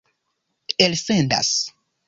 elsendas